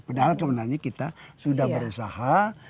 padahal sebenarnya kita sudah berusaha